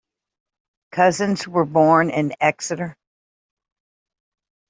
Cousins was born at Exeter.